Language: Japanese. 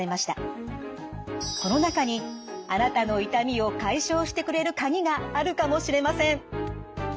この中にあなたの痛みを解消してくれる鍵があるかもしれません。